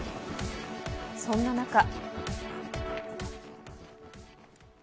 そんな中。